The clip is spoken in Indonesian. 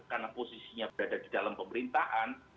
karena posisinya berada di dalam pemerintahan